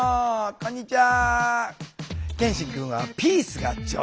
こんにちは。